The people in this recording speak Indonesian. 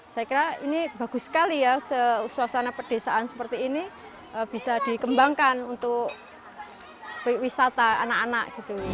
saya kira ini bagus sekali ya suasana pedesaan seperti ini bisa dikembangkan untuk wisata anak anak gitu